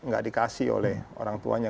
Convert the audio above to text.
gak dikasih oleh orang tuanya